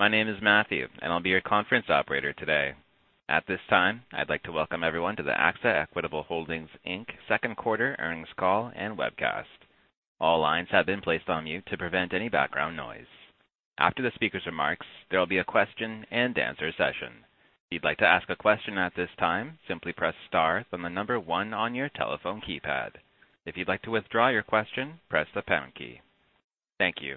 Morning. My name is Matthew, and I'll be your conference operator today. At this time, I'd like to welcome everyone to the AXA Equitable Holdings, Inc. second quarter earnings call and webcast. All lines have been placed on mute to prevent any background noise. After the speaker's remarks, there will be a question and answer session. If you'd like to ask a question at this time, simply press star, then the number 1 on your telephone keypad. If you'd like to withdraw your question, press the pound key. Thank you.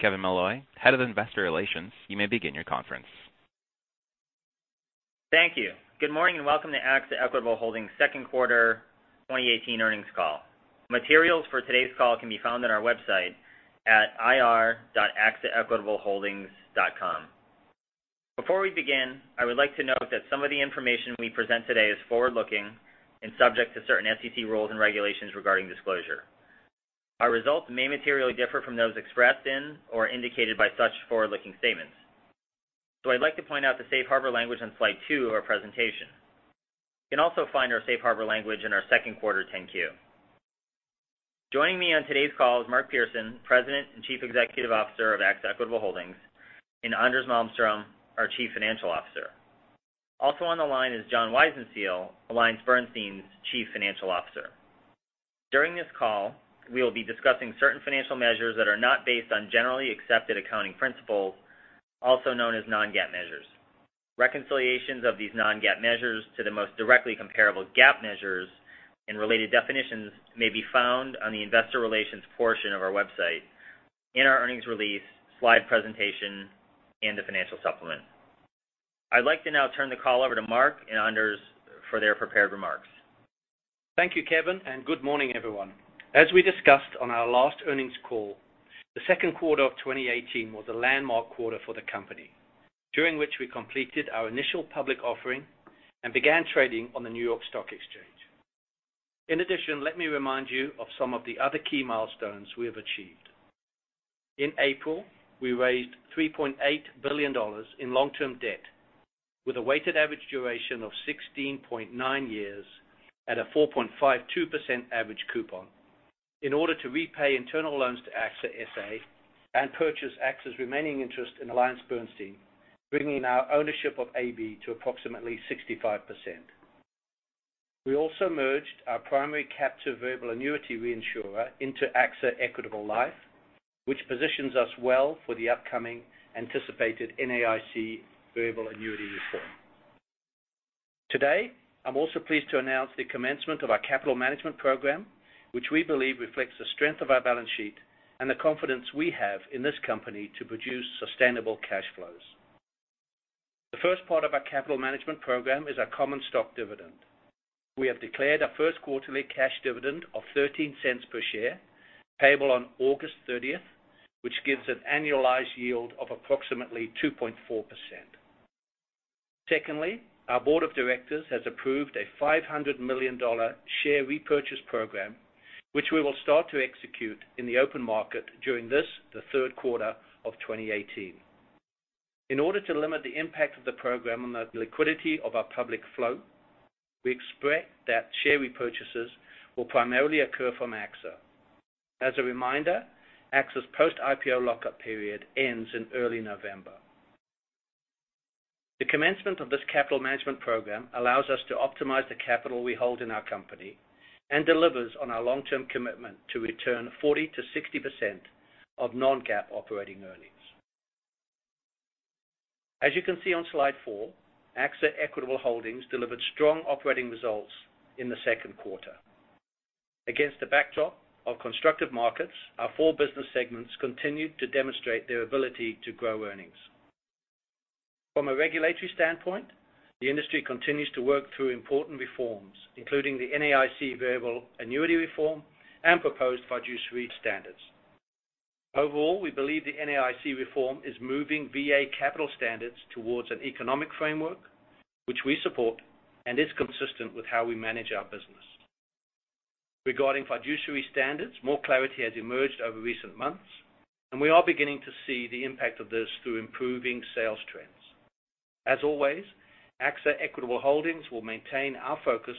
Kevin Molloy, Head of Investor Relations, you may begin your conference. Thank you. Good morning and welcome to AXA Equitable Holdings second quarter 2018 earnings call. Materials for today's call can be found on our website at ir.axaequitableholdings.com. Before we begin, I would like to note that some of the information we present today is forward-looking and subject to certain SEC rules and regulations regarding disclosure. Our results may materially differ from those expressed in or indicated by such forward-looking statements. I'd like to point out the safe harbor language on slide two of our presentation. You can also find our safe harbor language in our second quarter 10-Q. Joining me on today's call is Mark Pearson, President and Chief Executive Officer of AXA Equitable Holdings, and Anders Malmström, our Chief Financial Officer. Also on the line is John Weisenfluh, AllianceBernstein's Chief Financial Officer. During this call, we will be discussing certain financial measures that are not based on Generally Accepted Accounting Principles, also known as non-GAAP measures. Reconciliations of these non-GAAP measures to the most directly comparable GAAP measures and related definitions may be found on the investor relations portion of our website, in our earnings release, slide presentation, and the financial supplement. I'd like to now turn the call over to Mark and Anders for their prepared remarks. Thank you, Kevin, and good morning, everyone. As we discussed on our last earnings call, the second quarter of 2018 was a landmark quarter for the company, during which we completed our initial public offering and began trading on the New York Stock Exchange. In addition, let me remind you of some of the other key milestones we have achieved. In April, we raised $3.8 billion in long-term debt with a weighted average duration of 16.9 years at a 4.52% average coupon in order to repay internal loans to AXA SA and purchase AXA's remaining interest in AllianceBernstein, bringing our ownership of AB to approximately 65%. We also merged our primary captive variable annuity reinsurer into AXA Equitable Life, which positions us well for the upcoming anticipated NAIC variable annuity reform. Today, I'm also pleased to announce the commencement of our capital management program, which we believe reflects the strength of our balance sheet and the confidence we have in this company to produce sustainable cash flows. The first part of our capital management program is our common stock dividend. We have declared a first quarterly cash dividend of $0.13 per share, payable on August 30th, which gives an annualized yield of approximately 2.4%. Secondly, our board of directors has approved a $500 million share repurchase program, which we will start to execute in the open market during this, the third quarter of 2018. In order to limit the impact of the program on the liquidity of our public flow, we expect that share repurchases will primarily occur from AXA. As a reminder, AXA's post-IPO lockup period ends in early November. The commencement of this capital management program allows us to optimize the capital we hold in our company and delivers on our long-term commitment to return 40%-60% of non-GAAP operating earnings. As you can see on slide four, AXA Equitable Holdings delivered strong operating results in the second quarter. Against the backdrop of constructive markets, our four business segments continued to demonstrate their ability to grow earnings. From a regulatory standpoint, the industry continues to work through important reforms, including the NAIC variable annuity reform and proposed fiduciary standards. Overall, we believe the NAIC reform is moving VA capital standards towards an economic framework, which we support and is consistent with how we manage our business. Regarding fiduciary standards, more clarity has emerged over recent months, and we are beginning to see the impact of this through improving sales trends. As always, AXA Equitable Holdings will maintain our focus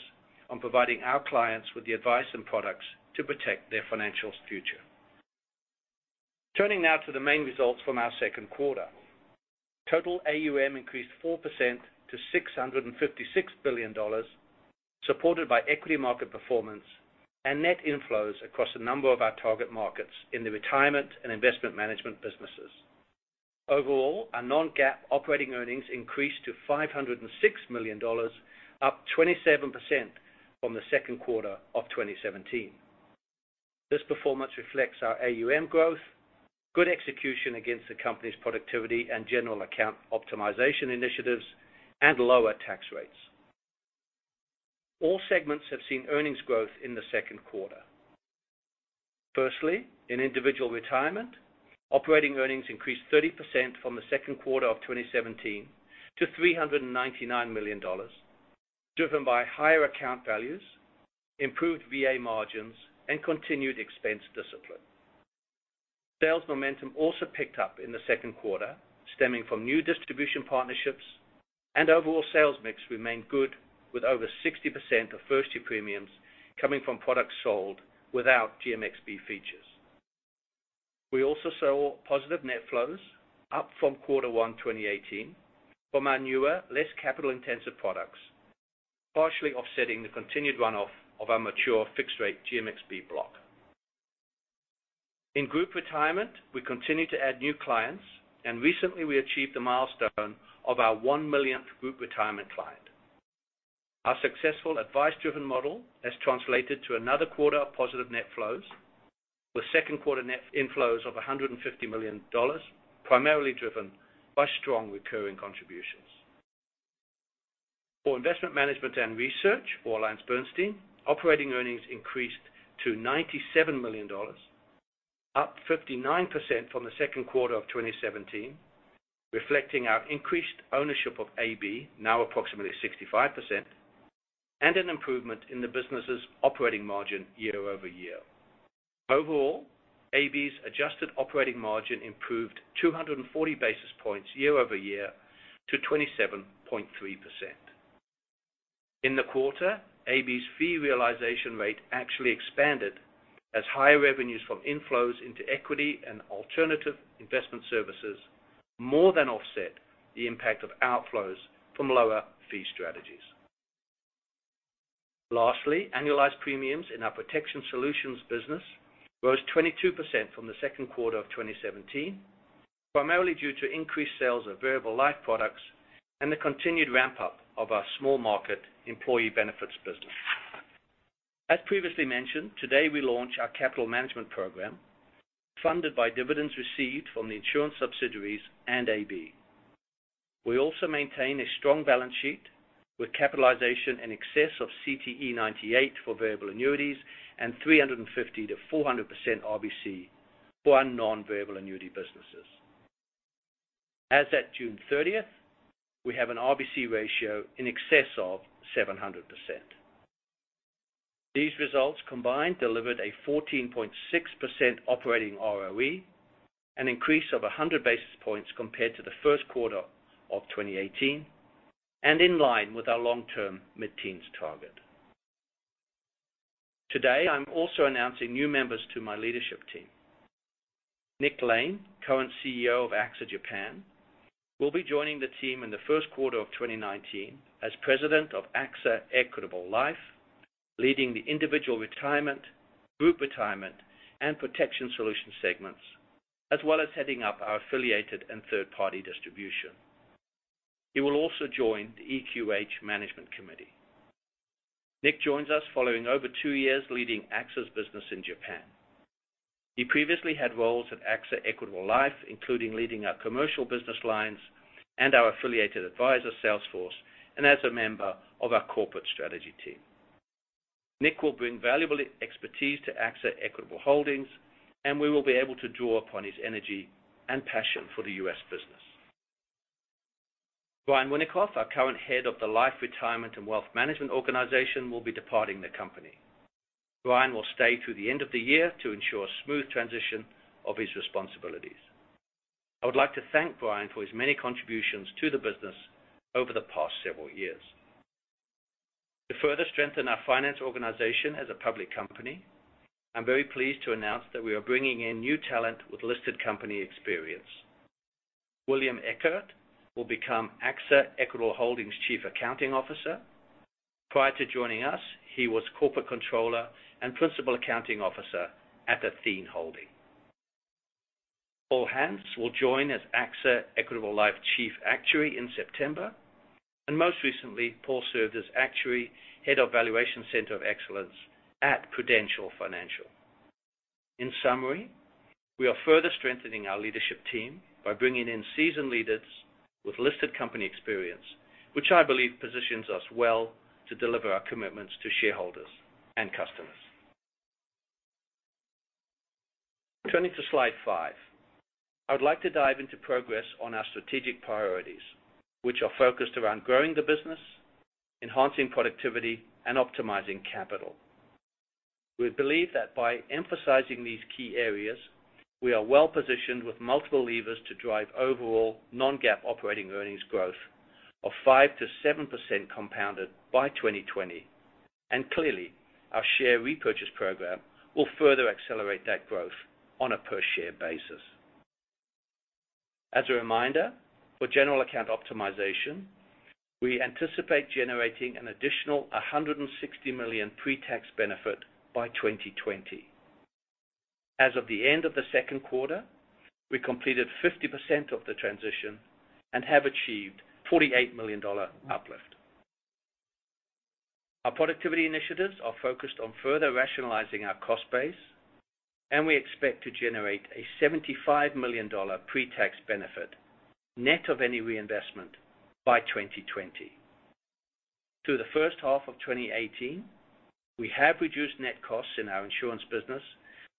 on providing our clients with the advice and products to protect their financial future. Turning now to the main results from our second quarter. Total AUM increased 4% to $656 billion, supported by equity market performance and net inflows across a number of our target markets in the retirement and investment management businesses. Overall, our non-GAAP operating earnings increased to $506 million, up 27% from the second quarter of 2017. This performance reflects our AUM growth, good execution against the company's productivity and general account optimization initiatives, and lower tax rates. All segments have seen earnings growth in the second quarter. Firstly, in individual retirement, operating earnings increased 30% from the second quarter of 2017 to $399 million, driven by higher account values, improved VA margins, and continued expense discipline. Sales momentum also picked up in the second quarter, stemming from new distribution partnerships. Overall sales mix remained good with over 60% of first year premiums coming from products sold without GMXB features. We also saw positive net flows up from quarter one 2018 from our newer, less capital intensive products, partially offsetting the continued runoff of our mature fixed rate GMXB block. In group retirement, we continue to add new clients, and recently we achieved the milestone of our 1 millionth group retirement client. Our successful advice driven model has translated to another quarter of positive net flows, with second quarter net inflows of $150 million, primarily driven by strong recurring contributions. For investment management and research for AllianceBernstein, operating earnings increased to $97 million, up 59% from the second quarter of 2017, reflecting our increased ownership of AB, now approximately 65%, and an improvement in the business's operating margin year-over-year. Overall, AB's adjusted operating margin improved 240 basis points year-over-year to 27.3%. In the quarter, AB's fee realization rate actually expanded as higher revenues from inflows into equity and alternative investment services more than offset the impact of outflows from lower fee strategies. Lastly, annualized premiums in our Protection Solutions business rose 22% from the second quarter of 2017, primarily due to increased sales of variable life products and the continued ramp-up of our small market employee benefits business. As previously mentioned, today we launch our capital management program funded by dividends received from the insurance subsidiaries and AB. We also maintain a strong balance sheet with capitalization in excess of CTE 98 for variable annuities and 350%-400% RBC for our non-variable annuity businesses. As at June 30th, we have an RBC ratio in excess of 700%. These results combined delivered a 14.6% operating ROE, an increase of 100 basis points compared to the first quarter of 2018 and in line with our long-term mid-teens target. Today, I'm also announcing new members to my leadership team. Nick Lane, current CEO of AXA Japan, will be joining the team in the first quarter of 2019 as President of AXA Equitable Life, leading the individual retirement, group retirement and Protection Solutions segments, as well as heading up our affiliated and third-party distribution. He will also join the EQH Management Committee. Nick joins us following over two years leading AXA's business in Japan. He previously had roles at AXA Equitable Life, including leading our commercial business lines and our affiliated advisor sales force, and as a member of our corporate strategy team. Nick will bring valuable expertise to AXA Equitable Holdings, and we will be able to draw upon his energy and passion for the U.S. business. Brian Winikoff, our current head of the life retirement and wealth management organization, will be departing the company. Brian will stay through the end of the year to ensure smooth transition of his responsibilities. I would like to thank Brian for his many contributions to the business over the past several years. To further strengthen our finance organization as a public company, I'm very pleased to announce that we are bringing in new talent with listed company experience. William Eckert will become AXA Equitable Holdings Chief Accounting Officer. Prior to joining us, he was corporate controller and principal accounting officer at Athene Holding. Paul Hance will join as AXA Equitable Life Chief Actuary in September. Most recently, Paul served as actuary head of valuation Center of Excellence at Prudential Financial. In summary, we are further strengthening our leadership team by bringing in seasoned leaders with listed company experience, which I believe positions us well to deliver our commitments to shareholders and customers. Turning to slide five. I would like to dive into progress on our strategic priorities, which are focused around growing the business, enhancing productivity, and optimizing capital. We believe that by emphasizing these key areas, we are well positioned with multiple levers to drive overall non-GAAP operating earnings growth of 5%-7% compounded by 2020. Clearly, our share repurchase program will further accelerate that growth on a per share basis. As a reminder, for general account optimization, we anticipate generating an additional $160 million pre-tax benefit by 2020. As of the end of the second quarter, we completed 50% of the transition and have achieved $48 million uplift. Our productivity initiatives are focused on further rationalizing our cost base, we expect to generate a $75 million pre-tax benefit net of any reinvestment by 2020. Through the first half of 2018, we have reduced net costs in our insurance business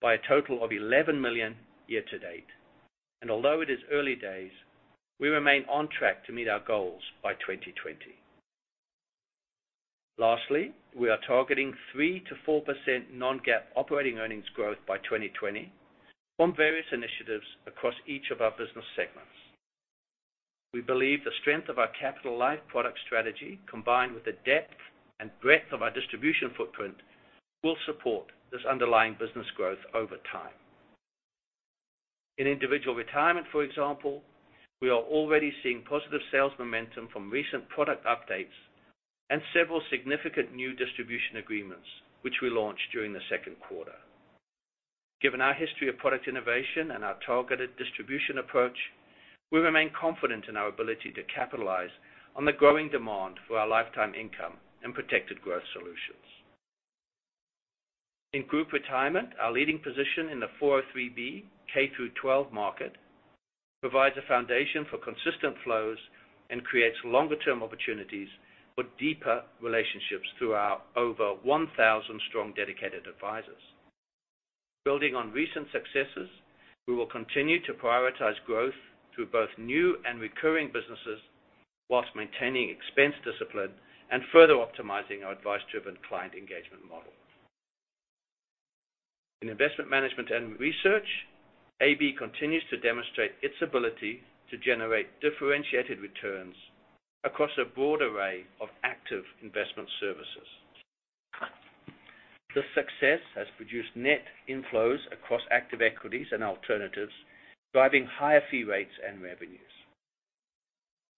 by a total of $11 million year-to-date. Although it is early days, we remain on track to meet our goals by 2020. Lastly, we are targeting 3%-4% non-GAAP operating earnings growth by 2020 from various initiatives across each of our business segments. We believe the strength of our capital-light product strategy, combined with the depth and breadth of our distribution footprint, will support this underlying business growth over time. In individual retirement, for example, we are already seeing positive sales momentum from recent product updates and several significant new distribution agreements, which we launched during the second quarter. Given our history of product innovation and our targeted distribution approach, we remain confident in our ability to capitalize on the growing demand for our lifetime income and protected growth solutions. In group retirement, our leading position in the 403(b) K-12 market provides a foundation for consistent flows and creates longer-term opportunities for deeper relationships through our over 1,000-strong dedicated advisors. Building on recent successes, we will continue to prioritize growth through both new and recurring businesses, while maintaining expense discipline and further optimizing our advice-driven client engagement model. In investment management and research, AB continues to demonstrate its ability to generate differentiated returns across a broad array of active investment services. This success has produced net inflows across active equities and alternatives, driving higher fee rates and revenues.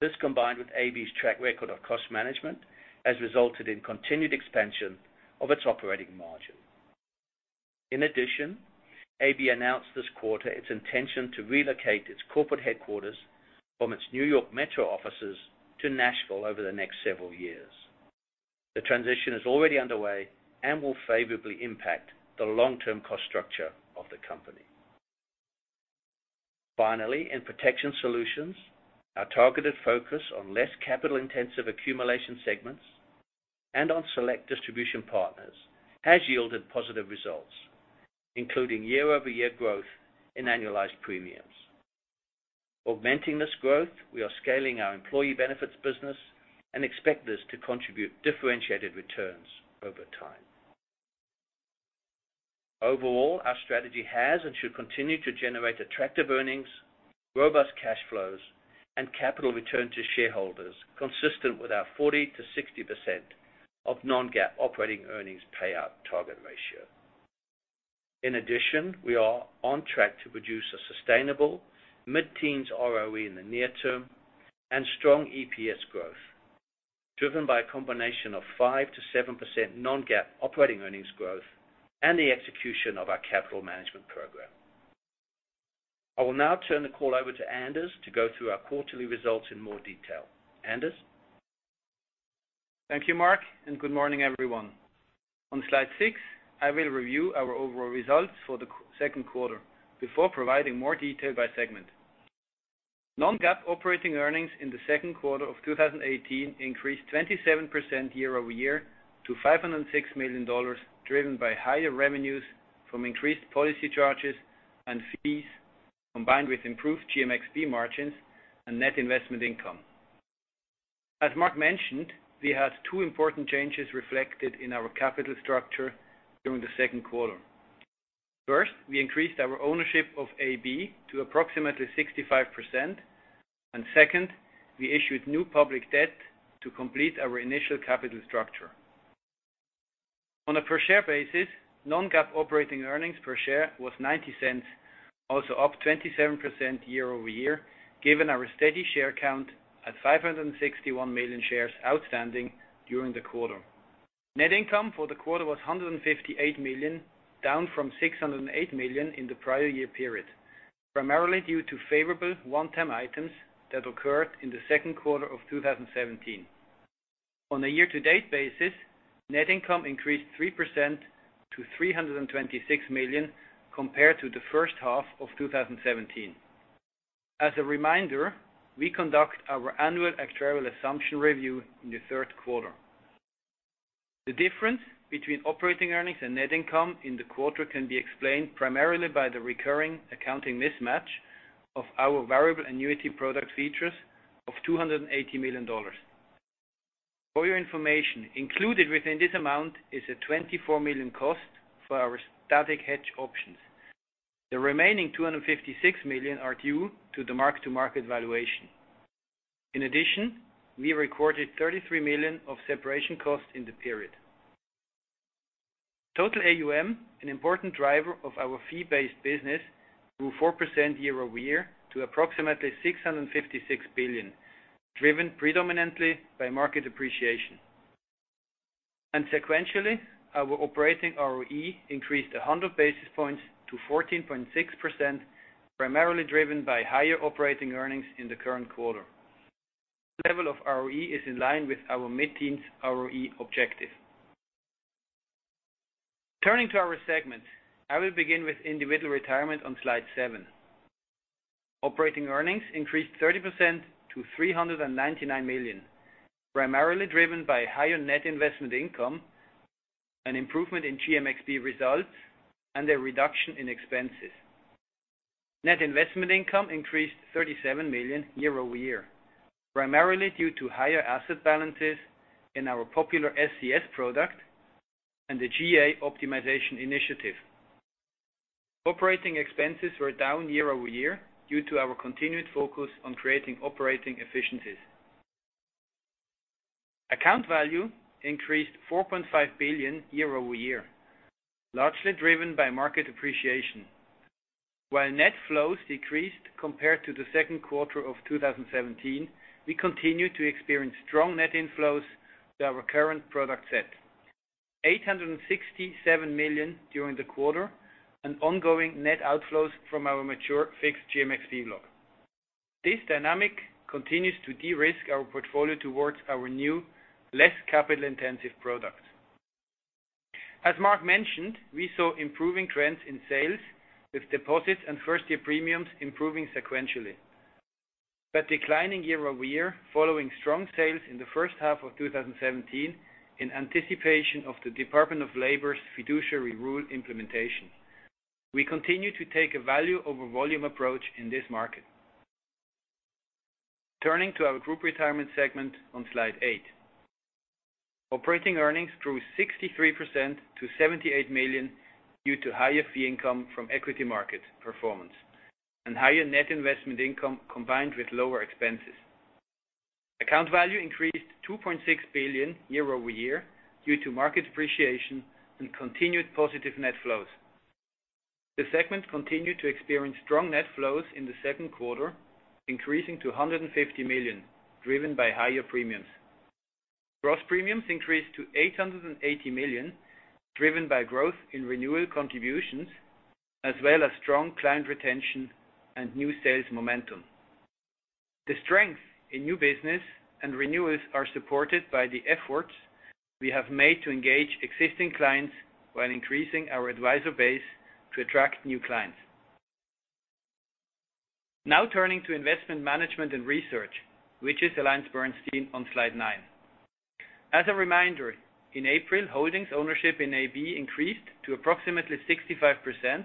This, combined with AB's track record on cost management, has resulted in continued expansion of its operating margin. In addition, AB announced this quarter its intention to relocate its corporate headquarters from its New York Metro offices to Nashville over the next several years. The transition is already underway and will favorably impact the long-term cost structure of the company. Finally, in Protection Solutions, our targeted focus on less capital-intensive accumulation segments and on select distribution partners has yielded positive results, including year-over-year growth in annualized premiums. Augmenting this growth, we are scaling our employee benefits business and expect this to contribute differentiated returns over time. Overall, our strategy has and should continue to generate attractive earnings, robust cash flows, and capital return to shareholders consistent with our 40%-60% of non-GAAP operating earnings payout target ratio. In addition, we are on track to produce a sustainable mid-teens ROE in the near term and strong EPS growth, driven by a combination of 5%-7% non-GAAP operating earnings growth and the execution of our capital management program. I will now turn the call over to Anders to go through our quarterly results in more detail. Anders? Thank you, Mark, and good morning, everyone. On slide six, I will review our overall results for the second quarter before providing more detail by segment. non-GAAP operating earnings in the second quarter of 2018 increased 27% year-over-year to $506 million, driven by higher revenues from increased policy charges and fees, combined with improved GMxB margins and net investment income. As Mark mentioned, we had two important changes reflected in our capital structure during the second quarter. First, we increased our ownership of AB to approximately 65%. Second, we issued new public debt to complete our initial capital structure. On a per share basis, non-GAAP operating earnings per share was $0.90, also up 27% year-over-year, given our steady share count at 561 million shares outstanding during the quarter. Net income for the quarter was $158 million, down from $608 million in the prior year period, primarily due to favorable one-time items that occurred in the second quarter of 2017. On a year-to-date basis, net income increased 3% to $326 million compared to the first half of 2017. As a reminder, we conduct our annual actuarial assumption review in the third quarter. The difference between operating earnings and net income in the quarter can be explained primarily by the recurring accounting mismatch of our variable annuity product features of $280 million. For your information, included within this amount is a $24 million cost for our static hedge options. The remaining $256 million are due to the mark-to-market valuation. We recorded $33 million of separation costs in the period. Total AUM, an important driver of our fee-based business, grew 4% year-over-year to approximately $656 billion, driven predominantly by market appreciation. Sequentially, our operating ROE increased 100 basis points to 14.6%, primarily driven by higher operating earnings in the current quarter. Level of ROE is in line with our mid-teens ROE objective. Turning to our segments, I will begin with individual retirement on slide seven. Operating earnings increased 30% to $399 million, primarily driven by higher net investment income, an improvement in GMxB results, and a reduction in expenses. Net investment income increased $37 million year-over-year, primarily due to higher asset balances in our popular Structured Capital Strategies product and the GA optimization initiative. Operating expenses were down year-over-year due to our continued focus on creating operating efficiencies. Account value increased $4.5 billion year-over-year, largely driven by market appreciation. While net flows decreased compared to the second quarter of 2017, we continue to experience strong net inflows with our current product set, $867 million during the quarter, and ongoing net outflows from our mature fixed GMxB block. This dynamic continues to de-risk our portfolio towards our new, less capital-intensive product. As Mark mentioned, we saw improving trends in sales, with deposits and first-year premiums improving sequentially. Declining year-over-year, following strong sales in the first half of 2017 in anticipation of the United States Department of Labor's fiduciary rule implementation. We continue to take a value over volume approach in this market. Turning to our group retirement segment on Slide 8. Operating earnings grew 63% to $78 million due to higher fee income from equity market performance and higher net investment income, combined with lower expenses. Account value increased $2.6 billion year-over-year due to market appreciation and continued positive net flows. The segment continued to experience strong net flows in the second quarter, increasing to $150 million, driven by higher premiums. Gross premiums increased to $880 million, driven by growth in renewal contributions, as well as strong client retention and new sales momentum. The strength in new business and renewals are supported by the efforts we have made to engage existing clients while increasing our advisor base to attract new clients. Turning to investment management and research, which is AllianceBernstein on Slide nine. As a reminder, in April, Holdings' ownership in AB increased to approximately 65%,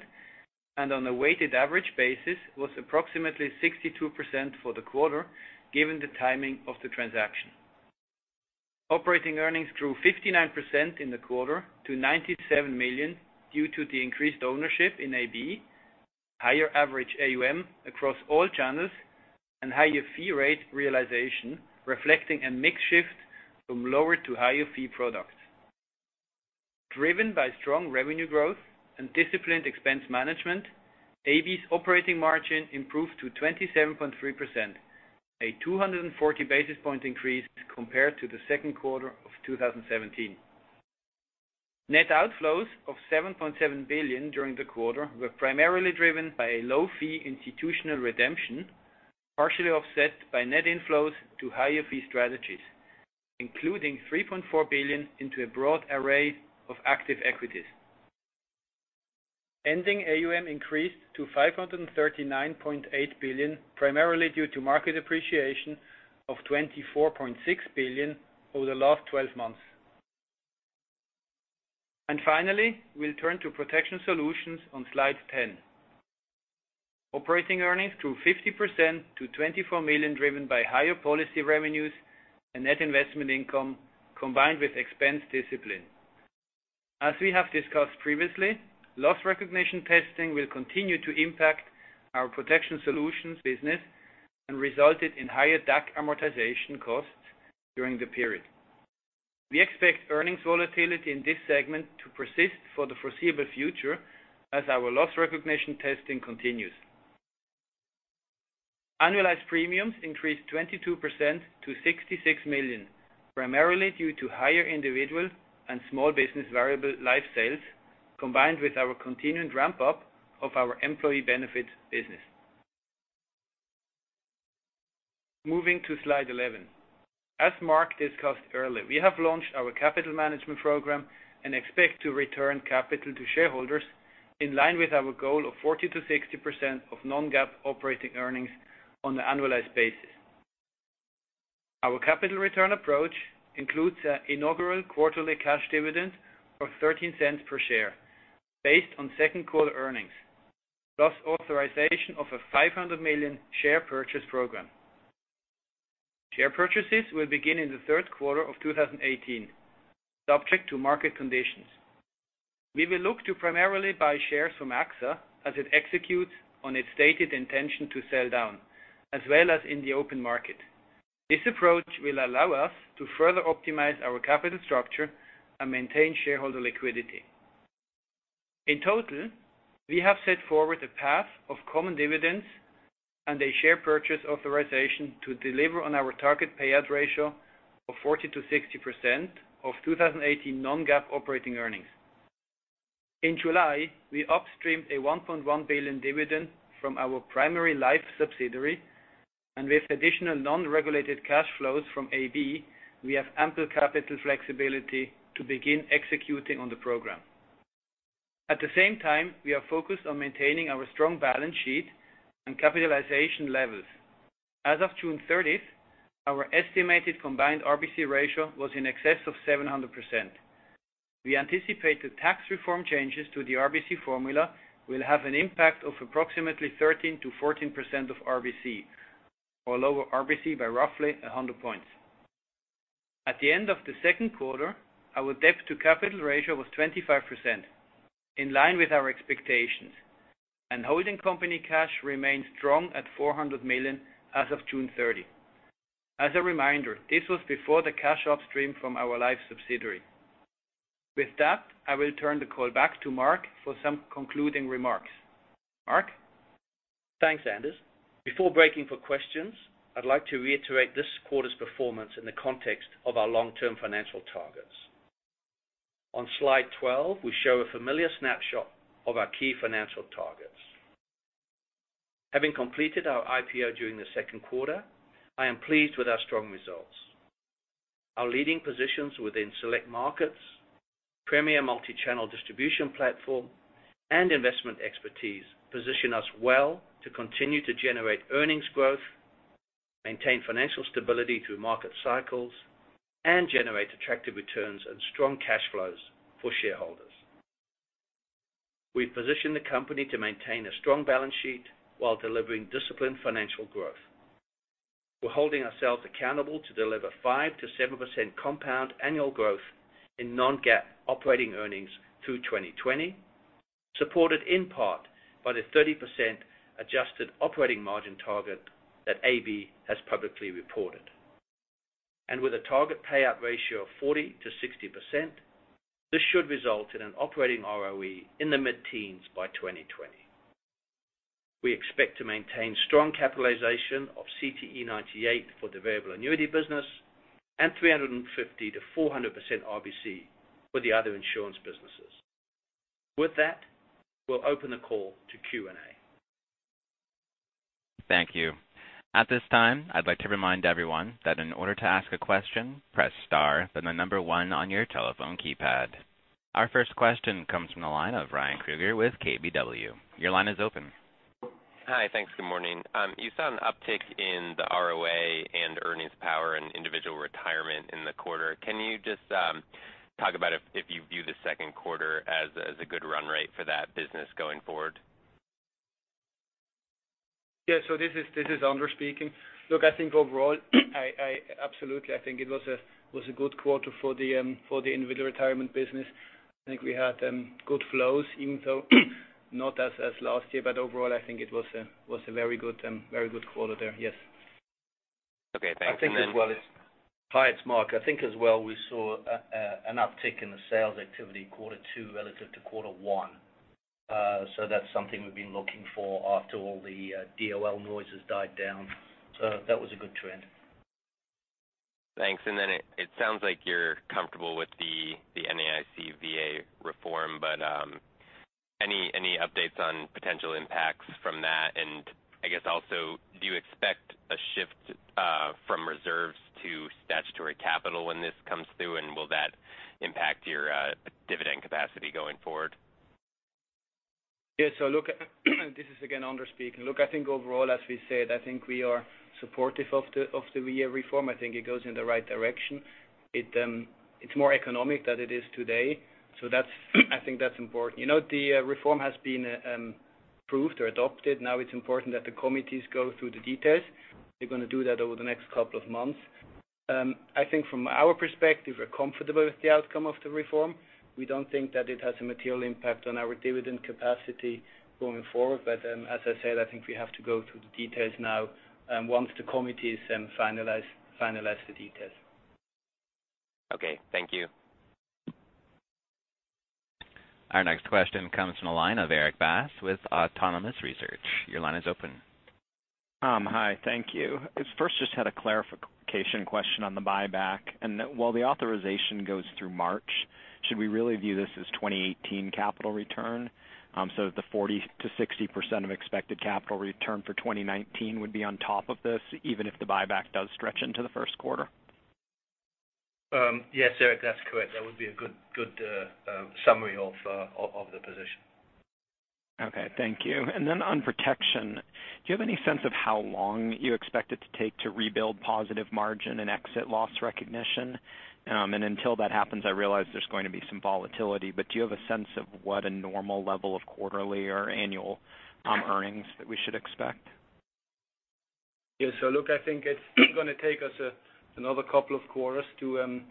and on a weighted average basis, was approximately 62% for the quarter, given the timing of the transaction. Operating earnings grew 59% in the quarter to $97 million due to the increased ownership in AB, higher average AUM across all channels, and higher fee rate realization, reflecting a mix shift from lower to higher fee products. Driven by strong revenue growth and disciplined expense management, AB's operating margin improved to 27.3%, a 240 basis point increase compared to the second quarter of 2017. Net outflows of $7.7 billion during the quarter were primarily driven by a low-fee institutional redemption, partially offset by net inflows to higher fee strategies, including $3.4 billion into a broad array of active equities. Ending AUM increased to $539.8 billion, primarily due to market appreciation of $24.6 billion over the last 12 months. Finally, we'll turn to Protection Solutions on Slide 10. Operating earnings grew 50% to $24 million, driven by higher policy revenues and net investment income, combined with expense discipline. As we have discussed previously, loss recognition testing will continue to impact our Protection Solutions business and resulted in higher DAC amortization costs during the period. We expect earnings volatility in this segment to persist for the foreseeable future as our loss recognition testing continues. Annualized premiums increased 22% to $66 million, primarily due to higher individual and small business variable life sales, combined with our continuing ramp-up of our employee benefits business. Moving to Slide 11. As Mark discussed earlier, we have launched our capital management program and expect to return capital to shareholders in line with our goal of 40%-60% of non-GAAP operating earnings on an annualized basis. Our capital return approach includes an inaugural quarterly cash dividend of $0.13 per share based on second quarter earnings, plus authorization of a $500 million share purchase program. Share purchases will begin in the third quarter of 2018, subject to market conditions. We will look to primarily buy shares from AXA as it executes on its stated intention to sell down, as well as in the open market. This approach will allow us to further optimize our capital structure and maintain shareholder liquidity. In total, we have set forward a path of common dividends and a share purchase authorization to deliver on our target payout ratio of 40%-60% of 2018 non-GAAP operating earnings. In July, we upstreamed a $1.1 billion dividend from our primary life subsidiary, and with additional non-regulated cash flows from AB, we have ample capital flexibility to begin executing on the program. At the same time, we are focused on maintaining our strong balance sheet and capitalization levels. As of June 30th, our estimated combined RBC ratio was in excess of 700%. We anticipate the tax reform changes to the RBC formula will have an impact of approximately 13%-14% of RBC, or lower RBC by roughly 100 points. At the end of the second quarter, our debt to capital ratio was 25%, in line with our expectations, and holding company cash remained strong at $400 million as of June 30. As a reminder, this was before the cash upstream from our life subsidiary. With that, I will turn the call back to Mark for some concluding remarks. Mark? Thanks, Anders. Before breaking for questions, I'd like to reiterate this quarter's performance in the context of our long-term financial targets. On slide 12, we show a familiar snapshot of our key financial targets. Having completed our IPO during the second quarter, I am pleased with our strong results. Our leading positions within select markets, premier multi-channel distribution platform, and investment expertise position us well to continue to generate earnings growth, maintain financial stability through market cycles, and generate attractive returns and strong cash flows for shareholders. We've positioned the company to maintain a strong balance sheet while delivering disciplined financial growth. We're holding ourselves accountable to deliver 5%-7% compound annual growth in non-GAAP operating earnings through 2020, supported in part by the 30% adjusted operating margin target that AB has publicly reported. With a target payout ratio of 40%-60%, this should result in an operating ROE in the mid-teens by 2020. We expect to maintain strong capitalization of CTE 98 for the variable annuity business and 350%-400% RBC for the other insurance businesses. With that, we'll open the call to Q&A. Thank you. At this time, I'd like to remind everyone that in order to ask a question, press star, then the number one on your telephone keypad. Our first question comes from the line of Ryan Krueger with KBW. Your line is open. Hi. Thanks. Good morning. You saw an uptick in the ROA and earnings power in individual retirement in the quarter. Can you just talk about if you view the second quarter as a good run rate for that business going forward? Yeah. This is Anders speaking. Look, I think overall, absolutely, I think it was a good quarter for the individual retirement business. I think we had good flows, even though not as last year, overall, I think it was a very good quarter there. Yes. Okay. Thanks. Hi, it's Mark. I think as well we saw an uptick in the sales activity quarter two relative to quarter one. That's something we've been looking for after all the DOL noise has died down. That was a good trend. Thanks. It sounds like you're comfortable with the NAIC VA reform, any updates on potential impacts from that? I guess also, do you expect a shift from reserves to statutory capital when this comes through, and will that impact your dividend capacity going forward? Yeah. Look, this is again, Anders Malmström speaking. Look, I think overall, as we said, I think we are supportive of the VA reform. I think it goes in the right direction. It's more economic than it is today. That's I think that's important. The reform has been approved or adopted. Now it's important that the committees go through the details. They're going to do that over the next couple of months. I think from our perspective, we're comfortable with the outcome of the reform. We don't think that it has a material impact on our dividend capacity going forward. As I said, I think we have to go through the details now once the committees finalize the details. Okay. Thank you. Our next question comes from the line of Erik Bass with Autonomous Research. Your line is open. Hi. Thank you. I first just had a clarification question on the buyback. While the authorization goes through March, should we really view this as 2018 capital return, so the 40%-60% of expected capital return for 2019 would be on top of this, even if the buyback does stretch into the first quarter? Yes, Erik, that's correct. That would be a good summary of the position. Okay. Thank you. On Protection Solutions, do you have any sense of how long you expect it to take to rebuild positive margin and exit loss recognition? Until that happens, I realize there's going to be some volatility, but do you have a sense of what a normal level of quarterly or annual earnings that we should expect? Look, I think it's going to take us another couple of quarters to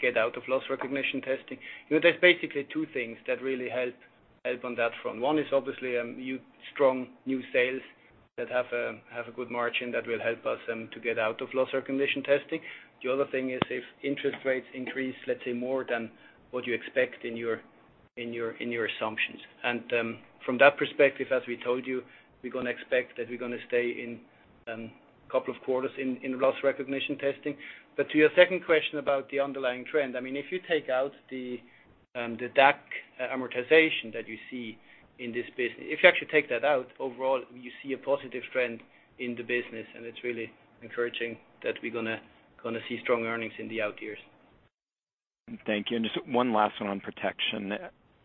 get out of loss recognition testing. There's basically two things that really help on that front. One is obviously strong new sales that have a good margin that will help us to get out of loss recognition testing. The other thing is if interest rates increase, let's say, more than what you expect in your assumptions. From that perspective, as we told you, we're going to expect that we're going to stay in couple of quarters in loss recognition testing. To your second question about the underlying trend, if you take out the DAC amortization that you see in this business, if you actually take that out, overall, you see a positive trend in the business, and it's really encouraging that we're going to see strong earnings in the out years. Thank you. Just one last one on protection. I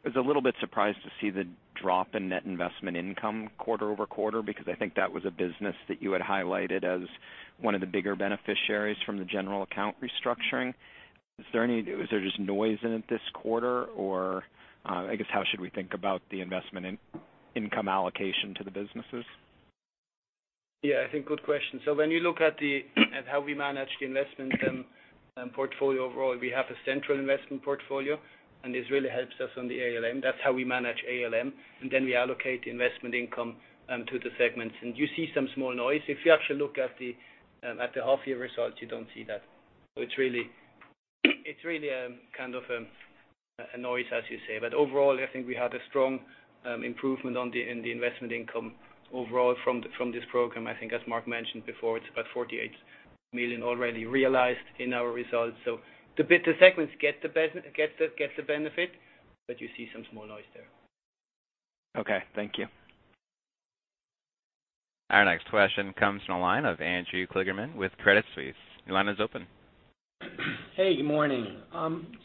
was a little bit surprised to see the drop in net investment income quarter-over-quarter, because I think that was a business that you had highlighted as one of the bigger beneficiaries from the general account restructuring. Is there just noise in it this quarter, or I guess, how should we think about the investment in income allocation to the businesses? I think good question. When you look at how we manage the investment portfolio overall, we have a central investment portfolio, this really helps us on the ALM. That's how we manage ALM, we allocate the investment income to the segments. You see some small noise. If you actually look at the half year results, you don't see that. It's really a kind of noise, as you say. Overall, I think we had a strong improvement in the investment income overall from this program. I think, as Mark mentioned before, it's about $48 million already realized in our results. The segments get the benefit, you see some small noise there. Okay. Thank you. Our next question comes from the line of Andrew Kligerman with Credit Suisse. Your line is open. Good morning.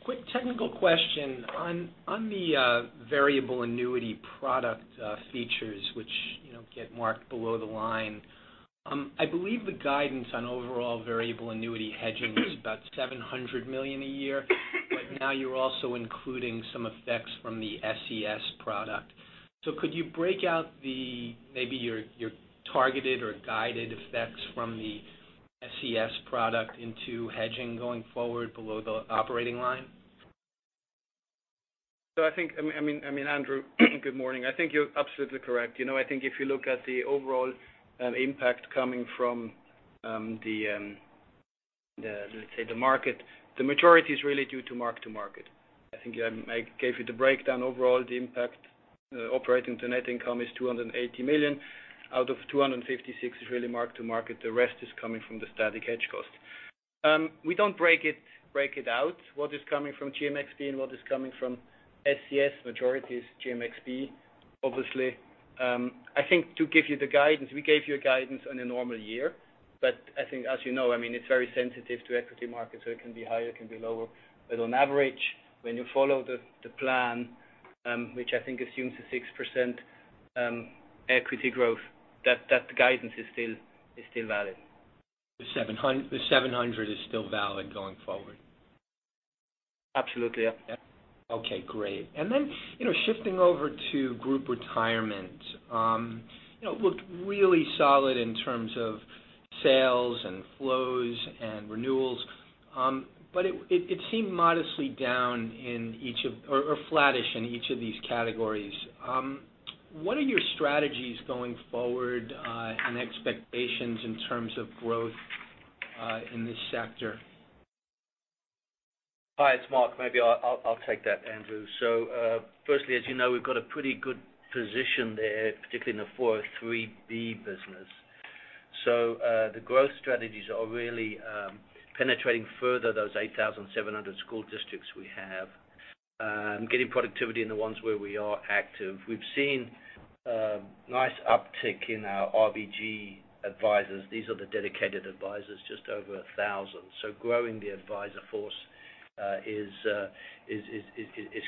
Quick technical question. On the variable annuity product features, which get marked below the line. I believe the guidance on overall variable annuity hedging was about $700 million a year, but now you're also including some effects from the SCS product. Could you break out maybe your targeted or guided effects from the SCS product into hedging going forward below the operating line? I think, Andrew, good morning. I think you're absolutely correct. I think if you look at the overall impact coming from, let's say, the market, the majority is really due to mark-to-market. I think I gave you the breakdown overall, the impact operating to net income is $280 million. Out of $256 is really mark-to-market. The rest is coming from the static hedge cost. We don't break it out, what is coming from GMxB and what is coming from SCS. Majority is GMxB, obviously. I think to give you the guidance, we gave you a guidance on a normal year. I think, as you know, it's very sensitive to equity market, so it can be higher, it can be lower. On average, when you follow the plan, which I think assumes a 6% equity growth, that guidance is still valid. The $700 is still valid going forward? Absolutely, Yep. Okay, great. Shifting over to group retirement. It looked really solid in terms of sales and flows and renewals. It seemed modestly down or flattish in each of these categories. What are your strategies going forward, and expectations in terms of growth in this sector? Hi, it's Mark. Maybe I'll take that, Andrew. Firstly, as you know, we've got a pretty good position there, particularly in the 403 business. The growth strategies are really penetrating further those 8,700 school districts we have, getting productivity in the ones where we are active. We've seen a nice uptick in our RBG advisors. These are the dedicated advisors, just over 1,000. Growing the advisor force is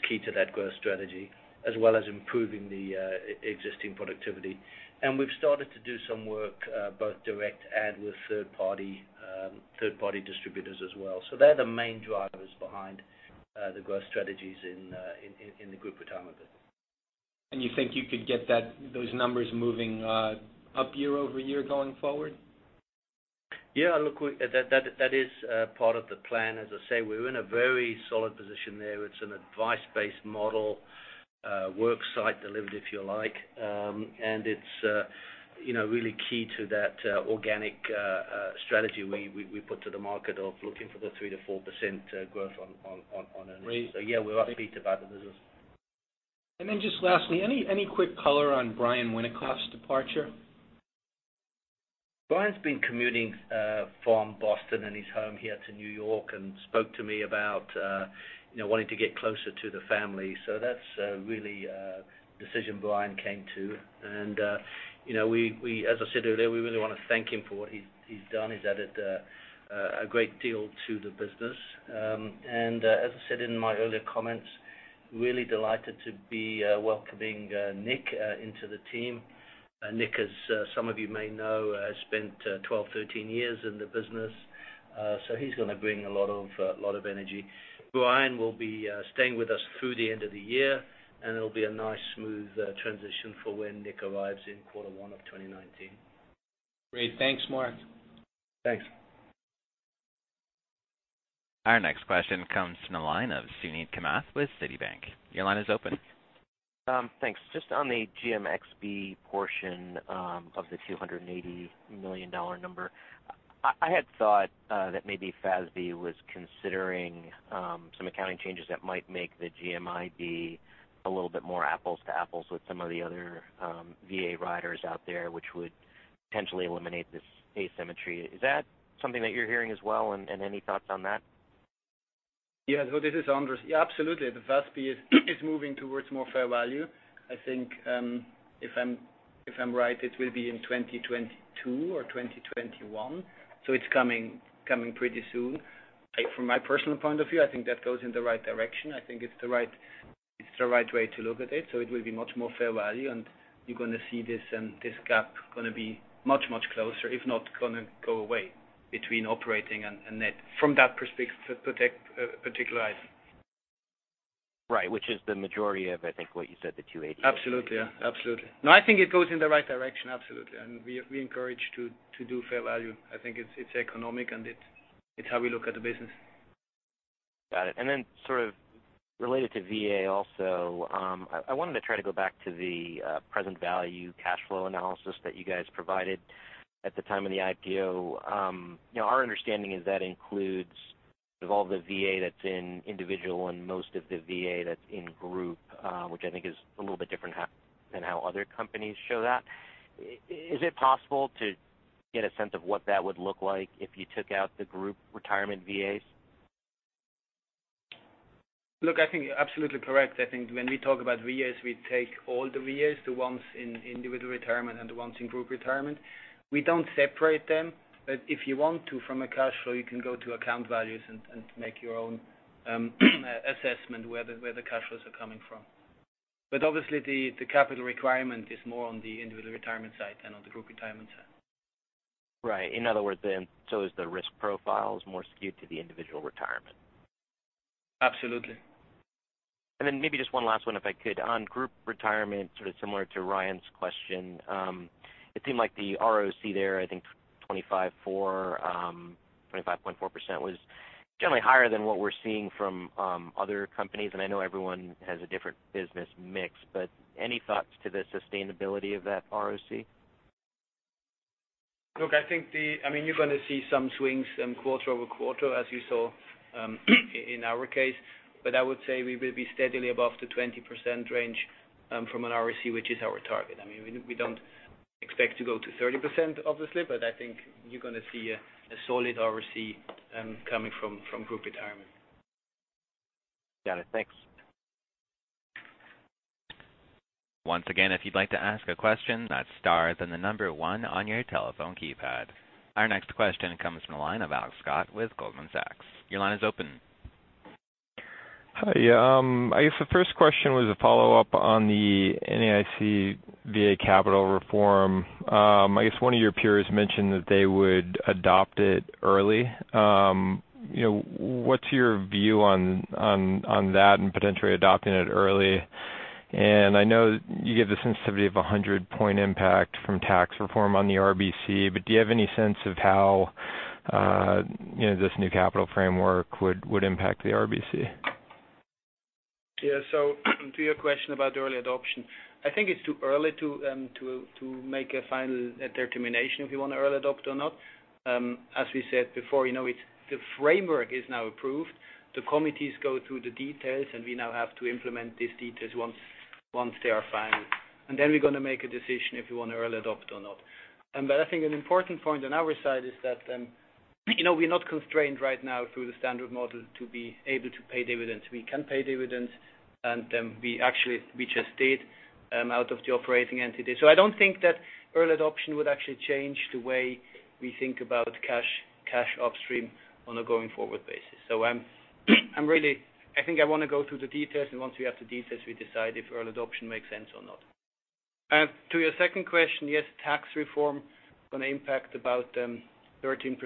key to that growth strategy, as well as improving the existing productivity. We've started to do some work, both direct and with third-party distributors as well. They're the main drivers behind the growth strategies in the group retirement business. You think you could get those numbers moving up year-over-year going forward? Yeah, look, that is part of the plan. As I say, we're in a very solid position there. It's an advice-based model, work site delivered, if you like. It's really key to that organic strategy we put to the market of looking for the 3%-4% growth on earnings. Yeah, we're upbeat about the business. Just lastly, any quick color on Brian Winikoff's departure? Brian's been commuting from Boston and his home here to New York and spoke to me about wanting to get closer to the family. That's really a decision Brian came to. As I said earlier, we really want to thank him for what he's done. He's added a great deal to the business. As I said in my earlier comments, really delighted to be welcoming Nick into the team. Nick, as some of you may know, has spent 12, 13 years in the business. He's going to bring a lot of energy. Brian will be staying with us through the end of the year, and it'll be a nice, smooth transition for when Nick arrives in quarter one of 2019. Great. Thanks, Mark. Thanks. Our next question comes from the line of Suneet Kamath with Citibank. Your line is open. Thanks. Just on the GMxB portion of the $280 million number. I had thought that maybe FASB was considering some accounting changes that might make the GMIB be a little bit more apples to apples with some of the other VA riders out there, which would potentially eliminate this asymmetry. Is that something that you're hearing as well, and any thoughts on that? Yeah. This is Anders. Yeah, absolutely. The FASB is moving towards more fair value. I think if I'm right, it will be in 2022 or 2021, it's coming pretty soon. From my personal point of view, I think that goes in the right direction. I think it's the right way to look at it will be much more fair value, and you're going to see this gap going to be much closer, if not going to go away between operating and net from that particular item. Right, which is the majority of, I think, what you said the 280- Absolutely. Absolutely. No, I think it goes in the right direction, absolutely. We encourage to do fair value. I think it's economic and it's how we look at the business. Got it. Then sort of related to VA also, I wanted to try to go back to the present value cash flow analysis that you guys provided at the time of the IPO. Our understanding is that includes all the VA that's in individual and most of the VA that's in group, which I think is a little bit different than how other companies show that. Is it possible to get a sense of what that would look like if you took out the group retirement VAs? Look, I think you're absolutely correct. I think when we talk about VAs, we take all the VAs, the ones in individual retirement and the ones in group retirement. We don't separate them, but if you want to, from a cash flow, you can go to account values and make your own assessment where the cash flows are coming from. Obviously, the capital requirement is more on the individual retirement side than on the group retirement side. Right. In other words, is the risk profile is more skewed to the individual retirement. Absolutely. Then maybe just one last one, if I could. On group retirement, sort of similar to Ryan's question, it seemed like the ROC there, I think 25.4% was generally higher than what we're seeing from other companies, and I know everyone has a different business mix, but any thoughts to the sustainability of that ROC? Look, I think you're going to see some swings quarter-over-quarter, as you saw in our case. I would say we will be steadily above the 20% range, from an ROC, which is our target. We don't expect to go to 30%, obviously, but I think you're going to see a solid ROC coming from Retirement Benefits Group. Got it. Thanks. Once again, if you'd like to ask a question, that's star, then the number 1 on your telephone keypad. Our next question comes from the line of Alex Scott with Goldman Sachs. Your line is open. Hi. I guess the first question was a follow-up on the NAIC VA capital reform. I guess one of your peers mentioned that they would adopt it early. What's your view on that and potentially adopting it early? I know you give the sensitivity of 100-point impact from tax reform on the RBC, but do you have any sense of how this new capital framework would impact the RBC? To your question about the early adoption, I think it's too early to make a final determination if we want to early adopt or not. As we said before, the framework is now approved. The committees go through the details, and we now have to implement these details once they are final. Then we're going to make a decision if we want to early adopt or not. I think an important point on our side is that we're not constrained right now through the standard model to be able to pay dividends. We can pay dividends, and we just did out of the operating entity. I don't think that early adoption would actually change the way we think about cash upstream on a going-forward basis. I think I want to go through the details, and once we have the details, we decide if early adoption makes sense or not. To your second question, yes, tax reform is going to impact about 13%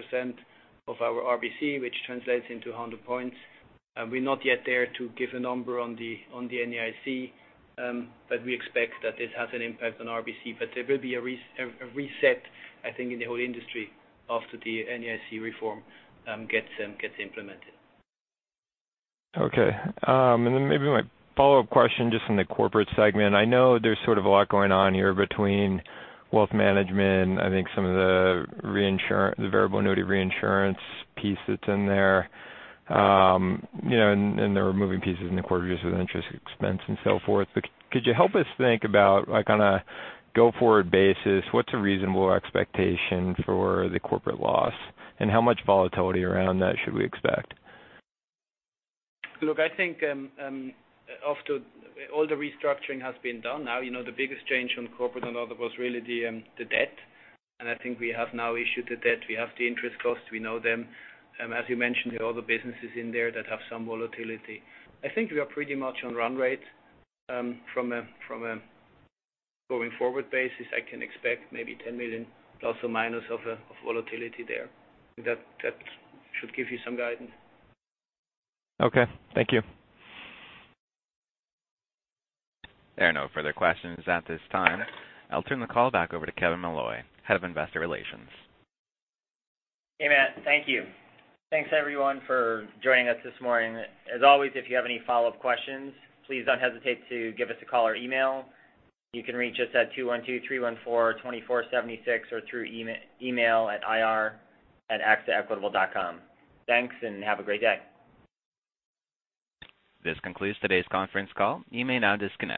of our RBC, which translates into 100 points. We're not yet there to give a number on the NAIC, but we expect that it has an impact on RBC. There will be a reset, I think, in the whole industry after the NAIC reform gets implemented. Okay. Then maybe my follow-up question, just on the corporate segment. I know there's sort of a lot going on here between wealth management, I think some of the variable annuity reinsurance piece that's in there, and there are moving pieces in the quarter with interest expense and so forth. Could you help us think about, on a go-forward basis, what's a reasonable expectation for the corporate loss? How much volatility around that should we expect? Look, I think after all the restructuring has been done now, the biggest change on corporate and other was really the debt, and I think we have now issued the debt. We have the interest costs. We know them. As you mentioned, there are other businesses in there that have some volatility. I think we are pretty much on run rate. From a going forward basis, I can expect maybe $10 million ± of volatility there. That should give you some guidance. Okay. Thank you. There are no further questions at this time. I'll turn the call back over to Kevin Molloy, Head of Investor Relations. Hey, Matthew. Thank you. Thanks, everyone, for joining us this morning. As always, if you have any follow-up questions, please don't hesitate to give us a call or email. You can reach us at 212-314-2476 or through email at ir@axaequitable.com. Thanks, and have a great day. This concludes today's conference call. You may now disconnect.